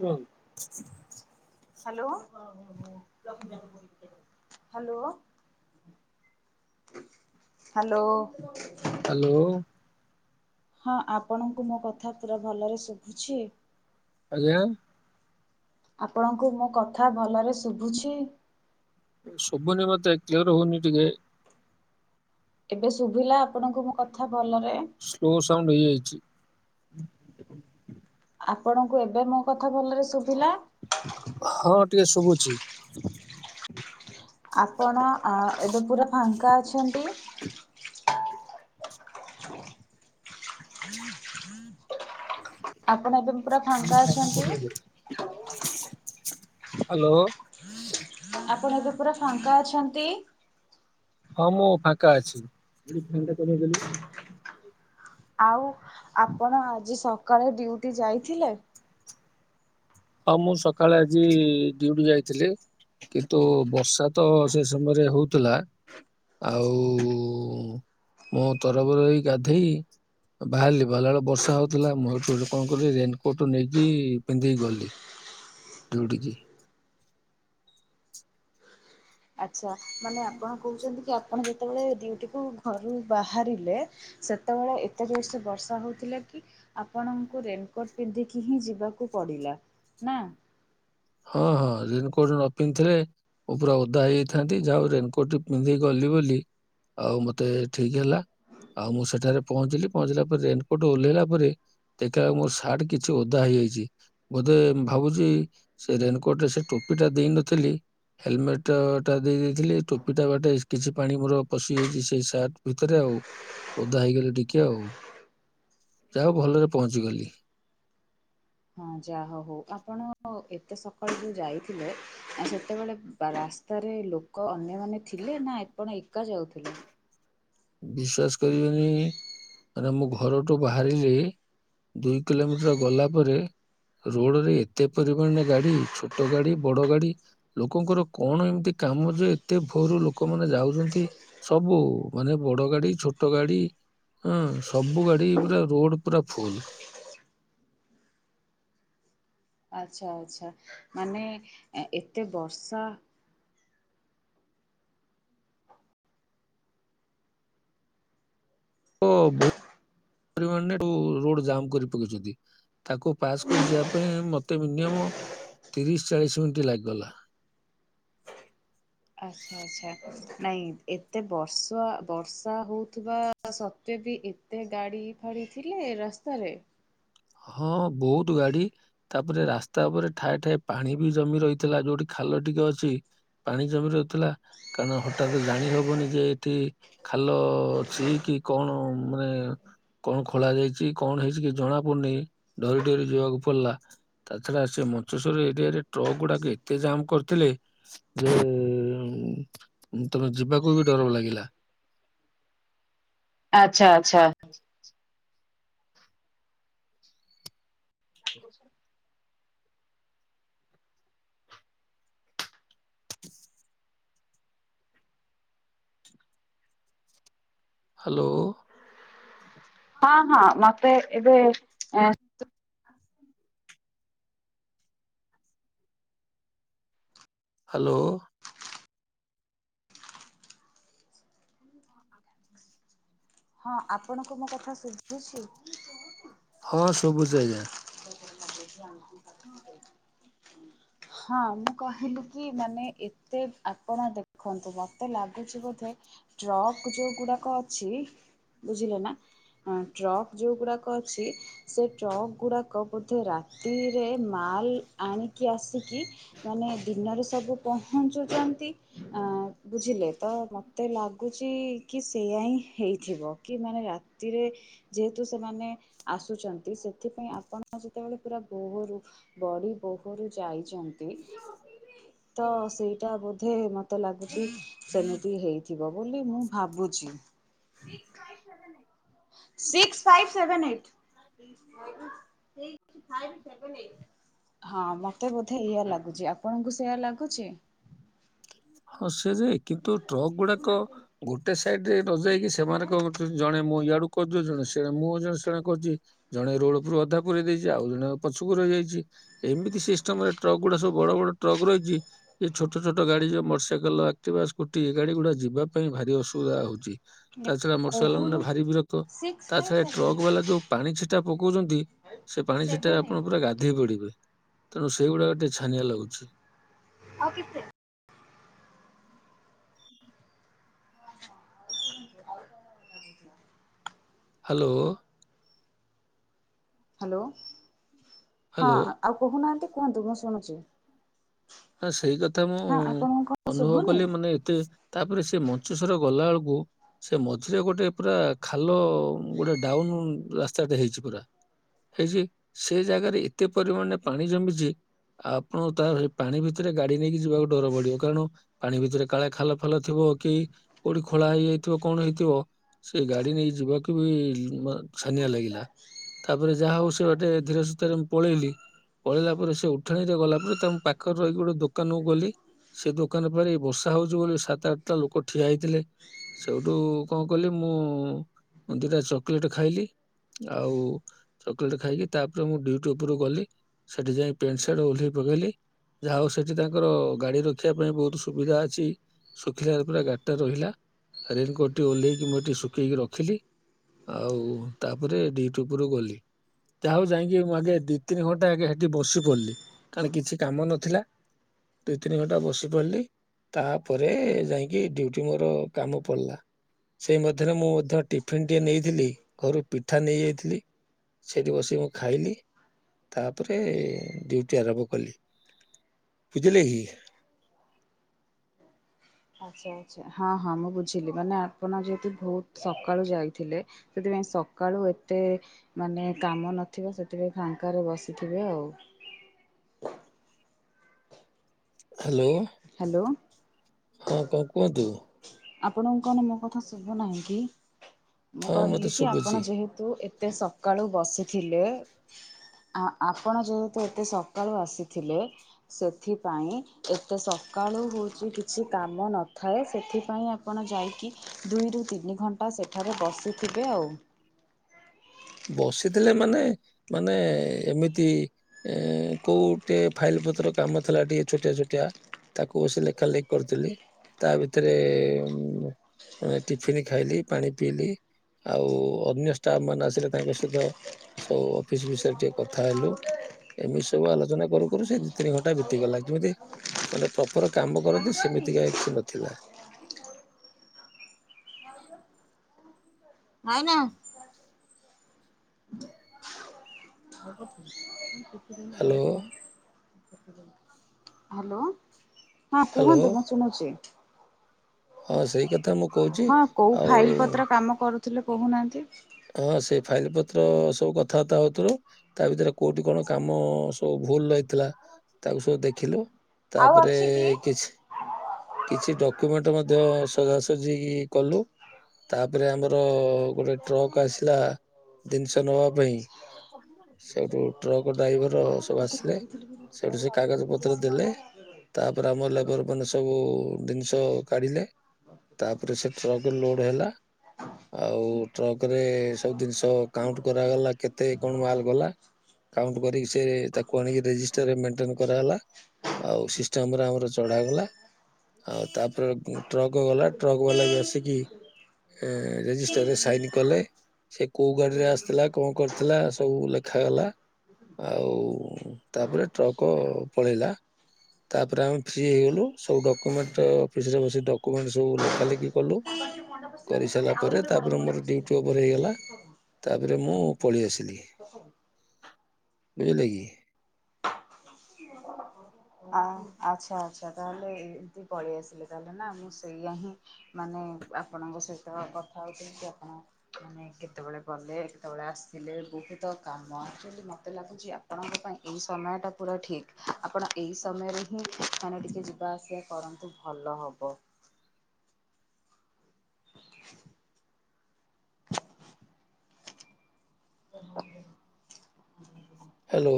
ହୁଁ hello hello hello hello ହଁ ଆପଣଙ୍କୁ ମୋ କଥା ପୁରା ଭଲରେ ଶୁଭୁଛି। ଆଜ୍ଞା ଆପଣଙ୍କୁ ମୋ କଥା ଭଲରେ ଶୁଭୁଛି। ସୁୁ୍ୁବୁନି ମତେ କ୍ଲିୟର ହଉନି ଟିିକେ। ଏବେ ଶୁଭିଲା ଆପଣଙ୍କୁ ମୋ କଥା ଭଲରେ? ସ୍ଲୋ ସଉଣ୍ଡ ହେଇଯାଇଛି। ଆପଣଙ୍କୁ ଏବେ ମୋ କଥା ଭଲରେ ଶୁଭିଲା। ହଁ ଟିକେ ଶୁଭୁଛି। ଆପଣ ଆଁ ଏବେ ପୁରା ଫାଙ୍କା ଅଛନ୍ତି। ଆପଣ ଏବେ ପୁ ପୁରା ଫାଙ୍କା ଅଛନ୍ତି। ହ୍ୟାଲୋ ଆପଣ ଏବେ ପୁରା ଫାଙ୍କା ଅଛନ୍ତି। ହଁ ମୁଁ ଫାଙ୍କା ଅଛି। ଆଉ ଆପଣ ଆଜି ସକାଳେ ଡ୍ୟୁଟି ଯାଇଥିଲେ। ହଁ ମୁଁ ସକାଳେ ଆଜି ଡିଉଟି ଯାଇଥିଲି। କିନ୍ତୁ ବର୍ଷା ତ ସେ ସମୟରେ ହଉଥିଲା ଆଉ ମୁଁ ତରବର ଏଇ ଗାଧେଇ ବାହାରିଲି ବାହାରିଲା ବେଳେ ବର୍ଷା ହଉଥିଲା ମୁଁ [unintelligible] କଣ କଲି ରେନକୋଟ ନେଇକି ପିନ୍ଧିକି ଗଲି। ଦୌଡ଼ିକି। ଆଚ୍ଛା ମାନେ ଆପଣ କହୁଛନ୍ତି କି ଆପଣ ଯେ ଯେତେବେଳେ ଡ୍ୟୁଟି କୁ ଘରୁ ବାହାରିଲେ ସେତେବେଳେ ଏତେ ଜୋରସେ ବର୍ଷା ହଉଥିଲା କି ଆପଣଙ୍କୁ ରେନକୋଟ ପିନ୍ଧିକି ହିଁ ଯିବାକୁ ପଡିଲା ନା। ହଁ ହଁ ରେନକୋଟ ନ ପିନ୍ଧଥିଲେ ମୁଁ ପୁରା ଓଦା ହେଇ ଯାଇଥାନ୍ତି ଯାହା ହଉ ରେନକୋଟ ପିନ୍ଧିକି ଗଲି। ବୋଲି ଆଉ ମତେ ଠିକ ହେଲା। ଆଉ ମୁଁ ସେଠାରେ ପହଞ୍ଚିଲି ପହଞ୍ଚିଲା ପରେ ରେନକୋଟ ଓହ୍ଲେଇଲା ପରେ ଦେଖ ମୋର ସାର୍ଟ କିଛି ଓଦା ହେଇ ହେଇଛି ବୋଧେ ଭାବୁଛି ସେ ରେନକୋଟରେ ସେ ଟୋପି ଟା ଦେଇନଥିଲି ହେଲମେଟ ଟା ଗୋଟେ ଦେଇ ଦେଇଥିଲି ଟୋପି ଟା ବାଟେ କିଛି ପାଣି ମୋର ପଶି ଯାଇଛି ସେଇ ସାର୍ଟ ଭିତରେ ଆଉ। ଓ ଓଦା ହେଇଗଲେ ଟିକେ ଆଉ। ହ ଯାହା ହଉ ଭଲରେ ପହଞ୍ଚିଗଲି। ହଁ ଯାହା ହଉ ଆପଣ ଏତେ ସକାଳୁ ଯୋଉ ଯାଇଥିଲେ ସେତେବେଳେ ରାସ୍ତା ପାଖରେ ଲୋକ ଅନ୍ୟମାନେ ଥିଲେ ନା ଆପଣ ଏକା ଯାଉଥିଲେ? ବିଶ୍ଵାସ କରିବେନି ମାନେ ମୁଁ ଘରଠୁ ବାହାରିଲି ଦୁଇ କିଲୋମିଟର ଗଲା ପରେ ରୋଡରେ ଏତେ ପରିମାଣ ରେ ଗାଡି ଛୋଟ ଗାଡି ବଡ ଗାଡି ଲୋକଙ୍କର କଣ ଏମିତି କାମ ଯେ ଏତେ ଭୋରୁ ଲୋକମାନେ ଯାଉଛନ୍ତି ସବୁ ମାନେ ବଡ ଗାଡି ଛୋଟ ଗାଡି ହଁ ସବୁ ଗାଡି ପୁରା ରୋଡ ପୁରା ଫୁଲ। ହ ଆଚ୍ଛା ଆଚ୍ଛା ମାନେ ଏତେ ବର୍ଷା? ଓ ବୋ ପରିମାଣରେ ଓ ରୋଡ ଜାମ କରି ପକଉଛନ୍ତି ତାକୁ ପାସ୍ କରିି ଯିବା ପାଇଁ ମତେ ମିନିମମ୍ ଓ ତିରିଶ ଚାଳିଶ ମିନିଟ ଲାଗିଗଲା। ଆଚ୍ଛା ଆଛା ନାଇଁ ଏତେ ବର୍ଷା ବର୍ଷା ହଉଥିବା ସତ୍ତ୍ୱେ ବି ବି ଏତେ ଗାଡି ଫାଡି ଥିଲେ ରାସ୍ତାରେ। ହଁ ବହୁତ ଗାଡି ତାପରେ ରାସ୍ତା ଉପରେ ଠାଏ ଠାଏ ପାଣି ବି ଜମି ରହିଥିଲା ଯୋଉଠି ଖାଲ ଖାଲ ଟିକେ ଅଛି ପାଣି ଜମି ରହୁଥିଲା କାରଣ ହଠାତ୍ ଜାଣି ହବନି ଯେ ଏଠି ଖା ଭଲ ଅଛି କି କଣ ମାନେ କଣ ଖୋଳା ଯାଇଛି କଣ ହେଇଛି କି ଜଣା ମୁଁ ନି ନେଇ ଡରି ଡରି ଯିବାକୁ ପଡିଲା ତା ଛଡା ସେ ମଞ୍ଚେଶ୍ଵର ଏରିଆ ରେ ଟ୍ରକ୍ ଗୁଡା ଏତେ ଯେ ଜମ୍ କରୁଥିଲେ ଯେ ତମେ ଯିବାକୁ ବି ଡର ଲାଗିଲା। ଆଚ୍ଛା ଆଚ୍ଛା। ହ୍ୟାଲୋ। ହଁ ହଁ ମତେ ଏବେ ଆ ହ୍ୟାଲୋ। ହଁ ଆପଣଙ୍କୁ ମୋ କଥା ଶୁଭୁଛି। ହଁ ଶୁଭୁଛି ଆଜ୍ଞା। ହଁ ମୁଁ କହିଲି କି ମାନେ ଏତେ ଆପଣ ଦେଖନ୍ତୁ ମତେ ଲାଗୁଛି ବୋଧେ ଟ୍ରକ୍ ଯୋଉ ଗୁଡାକ ଅଛି ବୁଝିଲେ ନା ହଁ ଟ୍ରକ୍ ଯୋଉ ଗୁଡାକ ଅଛି ସେ ଟ୍ରକ୍ ଗୁଡା କ ବୋଧେ ରାତିରେ ମାଲ ଆଣିକି ଆସିକି ମାନେ ଦିନରେ ସ୍ ସବୁ ପହଞ୍ଚୁଛନ୍ତି ଆ ବୁଝିଲେ ତ ମତେ ଲାଗୁଚ କି ସେ ସେୟା ହିଁ ହେଇଥିବ କି ମାନେ ରାତିରେ ଯେହେତୁ ସେମାନେ ଆସୁଛନ୍ତି ସେଥିପାଇ ଆପଣ ଯେତେବେଳେ ପୁରା ବୋହରୁ ବଡି ବୋହରୁ ଯାଇଛନ୍ତି ତ ସେଇଟା ବୋଧେ ମତେ ଲାଗୁଛି ସେମିତି ହେଇଥିବ ବୋଲି ମୁଁ ଭାବୁଛି। ଜ six five seven eight. Six five seven eight six five seven eight. ହଁ ମତେ ବୋଧେ ଏଇଆ ଲାଗୁଛି ଆପଣଙ୍କୁ ସେଇୟା ଲାଗୁଛି? ହଁ ସେ ଯେ କିନ୍ତୁ ଟ୍ରକ୍ ଗୁଡାକ ଗୋଟେ ସାଇଡ଼େ ନ ଯାଇକି ସେମାନଙ୍କ ଜଣେ ମୁଁ ଇଆଡ଼କୁ କରିଦେଉଛନ୍ତି ସେ ମୁଁ ଜଣେ ଶଣେ କହୁଛି ଜଣେ ରୋଡ ଉପରୁ ଅଧା ପୁରେଇ ଦେଇଛି ଆଉ ଜଣେ ପଛକୁ ରହିଯାଇଛି। ଏମିତି ସିଷ୍ଟମରେ ଟ୍ରକ୍ ଗୁଡା ସବୁ ବଡ ବଡ ଟ୍ରକ୍ ରହିଛି ଛୋଟଛୋଟ ଗାଡି ମୋଟର ସାଇକେଲ ଆକ୍ଟିଭା ସ୍କୁଟି ଗାଡି ଗୁଡ଼ା ଯିବା ପାଇଁ ଭାରି ଅସୁବିଧା ହଉଛି। ତା ଛଡା ମୋଟର ସାଇକେଲ କହୁନୁ ମାନେ ଭାରି ବିରକ୍ତ ସିକ୍ସ ତା ଫାଇଭ୍ ଛଡା ସେଭେନ୍ ଟ୍ରକ୍ ଏଇଟ୍ ବାଲା ଯୋଉ ପାଣି ଛିଟା ପ କହୁଛନ୍ତି ସେ ପାଣିଛିଟାରେ ସେଭେନ୍ ଆପଣ ଏଇଟ୍ ପୁରା ଗାଧେଇ ପଡିବେ। ତେଣୁ ସେଇଗୁଡାକ ଟିକେ ଛାନିଆ ଲାଗୁଛି। ଆଉ କେତେ? ହ୍ୟାଲୋ। ହ୍ୟାଲୋ ହଁ ହାଲୋ। ଆଉ କହୁନାହାନ୍ତି କୁହନ୍ତୁ ମୁଁ ଶୁଣୁଛି। ସେଇ କଥା ମୁଁ ହଁ ଆପଣଙ୍କୁ କଣ ଅନୁଭବ ଶୁଭୁନି? କଲି ମାନେ ଏତେ ତାପରେ ସେ ମଞ୍ଚେସର ଗଲା ବେଳକୁ ସେ ମଝିରେ ଗୋଟେ ପୁରା ଖାଲ ଗୋଟେ ଡାଉନ ହୁଁ ରାସ୍ତାଟେ ହେଇଛି ପୁରା। ହେଇଛି ସେ ଜାଗାରେ ଏତେ ପରିମାଣରେ ପାଣି ଜମିଛି ଆପଣ ତାର ପାଣି ଭିତରେ ଗାଡି ନେଇକି ଯିବାକୁ ଡର ପଡିବ କାରଣ ପାଣି ଭିତରେ କାଳେ ଖାଲ ଫାଲ ଥିବ କି କୋଉଠି ଖୋ ଳା ହେଇଯାଇଥିବ କଣ ହେଇଥିବ ସେ ଗାଡି ନେଇ ଯିବାକୁ ବି ଛାନିଆ ଲାଗିଲା। ତାପରେ ଯାହା ହଉ ସେ ଗୋଟେ ଧୀରେ ସୁସ୍ଥରେ ମୁଁ ପଳେଇଲି। ପଳେଇଲା ପରେ ସେ ଉଠାଣିରେ ଗଲାପରେ ତାଙ୍କ ପାଖରେ ରହିକି ଗୋଟେ ଦୋକାନକୁ ଗଲି। ସେ ଦୋକାନ ପରେ ବର୍ଷା ହଉଛି ବୋଲି ସାତ ଆଠଟା ଲୋକ ଠିଆ ହେଇଥିଲେ। ସେଇଠୁ କଣ କଲି ମୁଁ ଦିଟା ଚକୋଲେଟ ଖାଇଲି। ଆଉ ଚକୋଲେଟ ଖାଇକି ତାପରେ ମୁଁ ଡ୍ୟୁଟି ଉପରକୁ ଗଲି ସେଠି ଯାଇ ପ୍ୟାଣ୍ଟ ସାର୍ଟ ଓହ୍ଲେଇ ପ [unintelligible] ଯାହା ହଉ ସେଠି ତାଙ୍କର ଗାଡି ରଖିବା ପାଇଁ ବହୁତ ସୁବିଧା ଅଛି ଶୁଖିଲାରେ ପୁରା ଗାଡିଟା ରହିଲା। ରେନକୋଟଟି ଓହ୍ଲେଇକି ମୁଁ ଏଠି ଶୁଖେଇକି ରଖିଲି। ଆଉ ତାପରେ ଡିଉଟି ଉପରୁକୁ ଗଲି। ଯାହା ହଉ ଯାଇକି ମୁଁ ଆଗେ ଦି ତିନି ଘଣ୍ଟା ଆଗେ ହେଠୀ ବସି ପଡିଲି କାରଣ କିଛି କାମ ନଥି ଦୁ ତିନି ଘଣ୍ଟା ବସି ପଡିଲି ତାପରେ ଯାଇକି ଡ୍ୟୁଟି। ମୋର କାମ ପଡିଲା। ସେଇ ମଧ୍ୟରେ ମୁଁ ମଧ୍ୟ ଟିଫିିନଟିଏ ନେଇଥିଲି ଘରୁ ପିଠା ନେଇଯାଇଥିଲି। ସେଠି ବସିକି ମୁଁ ଖାଇଲି ତାପରେ ଡ୍ୟୁଟି ଆରମ୍ଭ କଲି। ବୁଝିଲେ କି। ହ ଆଚ୍ଛା ଆଛା, ହଁ ହଁ ମୁଁ ବୁଝିଲି ମାନେ ଆପଣ ଯେହେତୁ ବହୁତ ସକାଳୁ ଯାଇଥିଲେ ସେଥିପାଇଁ ସକାଳୁ ଏତେ ମାନେ କାମ ନଥିବ ସେଥିପାଇଁ ଫାଙ୍କାରେ ବସିଥିବେ ଆଉ। ହ୍ୟାଲୋ ହ୍ୟାଲୋ ହଁ କଁ କୁହନ୍ତୁ? ଆପଣଙ୍କୁ କଣ ମୋ କଥା ଶୁଭୁନାହିଁ କି ମୁଁ ହଁ ମତେ କହିଲି କି ଆପଣ ଶୁଭୁଛି। ଯେହେତୁ ଏ ଏତେ ସକାଳୁ ବସିଥିଲେ। ଆପଣ ଯେହେତୁ ଏତେ ସକାଳୁ ଆସିଥିଲେ ସେଥିପାଇଁ ତ ସକାଳୁ ହୋଉଛି କିଛି କାମ ନଥାଏ ସେଥିପାଇଁ ଆପଣ ଯାଇକି ଦୁଇରୁ ତିନି ତିନି ଘଣ୍ଟା ସେଠାରେ ବସିଥିବେ ଆଉ। ବସିଥିଲେ ମାନେ ମାନେ ଏମିତି କୋଉଟେ ଫାଇଲ ପତ୍ର କାମ ଥିଲା ଟିକେ ଛୋଟିଆ ଛୋଟିଆ। ତାକୁ ବସି ଲେଖାଲେଖି କରିଥିଲି ତା ଭିତରେ ମାନେ ଟିଫନ୍ ଖାଇଲି, ପାଣି ପିଇଲି ଆଉ ଅନ୍ୟ ଷ୍ଟାଫ ମାନେ ଆସିଲେ। ତାଙ୍କ ସହିତ ସବୁ ଅଫିସ ବିଷୟରେ ଟିକେ କଥା ହେଲୁ। ଏମିତି ସବୁ ଆଲୋଚନା କରୁ କରୁ ସେଇ ଦି ତିନି ଘଣ୍ଟା ବିତିଗଲା, କେମିତି ମାନେ ପ୍ରପର କାମ କରନ୍ତି ସେମି ଏମିତିକା ସି ନଥିଲା। [inaudible] ଭାଇନା। ହାଲୋ। ହ୍ୟାଲୋ ହଁ ହ୍ୟାଲୋ କୁହନ୍ତୁ ମୁଁ ଶୁଣୁଚି। ହଁ ସେଇ କଥା ମୁଁ କହୁଛି ହଁ କୋଉ ଫାଇଲ ଆଉ ପତ୍ର କାମ କରୁଥିଲେ କହୁନାହାନ୍ତି। ହଁ ସେ ଫାଇଲ ପତ୍ର ସବୁ କଥାବାର୍ତ୍ତା ହଉଥିଲେ। ତା ଭିତରେ କୋଉଠି କଣ କାମ ସବୁ ଭୁଲ ରହିଥିଲା, ତାକୁ ସବୁ ଦେଖିଲୁ ଆଉ ତାପରେ ଅଛି କି? କିଛି କିଛି ଡକ୍ୟୁମେଣ୍ଟ ମଧ୍ୟ ସଜାସଜି କଲୁ। ତାପରେ ଆମର ଗୋଟେ ଟ୍ରକ୍ ଆସିଲା ଜିନିଷ ନବା ପାଇଁ, ସେଇଠୁ ଟ୍ରକ ଡ୍ରାଇଭର ସବୁ ତୋତେ ଆସିଲେ। କହିଥିଲି ପା ସେଠୁ ସେ କାଗଜ ନେଇକି ପତ୍ର ଆସିବା। ଦେଲେ, ତାପରେ ଆମର ଲେବର ମାନେ ସବୁ ଜିନିଷ କାଢ଼ିଲେ, ତାପରେ ସେ ଟ୍ରକ ଲୋଡ଼ ହେଲା ଆଉ ଟ୍ରକରେ ସବୁ ଜିନିଷ କାଉଣ୍ଟ କରାଗଲା, କେତେ କଣ ମାଲ ଗଲା? କାଉଣ୍ଟ କରିକି, ସେ ତାକୁ ଆଣିକି ରେଜିଷ୍ଟର ମେଣ୍ଟେନ କରାହେଲା। ଆଉ ସିଷ୍ଟମରେ ଆମର ଚଢାଗଲା। ଆଉ ତାପରେ ଟ୍ରକ ଗଲା, ଟ୍ରକ ବାଲା ବି ଆସିକି ଏ ରେଜିଷ୍ଟରରେ ସାଇନି କଲେ ସେ କୋଉ ଗାଡିରେ ଆସିଥିଲା, କଣ କରିଥିଲା ସବୁ ଲେଖାଗଲା। ଆଉ ତାପରେ ଟ୍ରକ ପଳେଇଲା। ତାପରେ ଆମେ ଫ୍ରି ହେଇଗଲୁ, ସବୁ ଡକୁମେଣ୍ଟ ଅଫିସରେ ବସି ଡକୁମେଣ୍ଟ ସବୁ ଲେଖା ଲେଖି କଲୁ। କରିସାରିଲା [inaudible] ପରେ ତାପରେ ମୁଣ୍ଡା ମୋର ପସିଥିଲା। ଡ୍ୟୁଟି ଓଭର ହେଇଗଲା। ତାପରେ ମୁଁ ପଳେଇ ଆସିଲି। ବୁଝିଲେ କି? [inaudible] ଆ ଆଚ୍ଛା ଆଚ୍ଛା ତାହେଲେ, ଏମତି ପଳେଇ ଆସିଲେ। ତାହେଲେ ନା ମୁଁ ସେଇଆ ହିଁ ମାନେ ଆପଣଙ୍କ ସହିତ କଥା ହଉଚି କି ଆପଣ ମାନେ କେତେବେଳେ ଗଲେ କେତେବେଳେ ଆସିଲେ? ବହୁତ କାମ ଆକ୍ଚୁଆଲି ମୋତେ ଲାଗୁଚି ଆପଣଙ୍କ ପାଇଁ ଏଇ ସମୟଟା ପୁରା ଠିକ୍। ଆପଣ ଏଇ ସମୟରେ ହିଁ ମାନେ ଟିକେ ଯିବା ଆସିବା କରନ୍ତୁ। ଭଲ ହବ। ହାଲୋ।